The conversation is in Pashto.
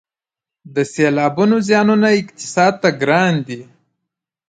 د سیلابونو زیانونه اقتصاد ته ګران دي